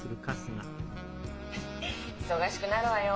忙しくなるわよ。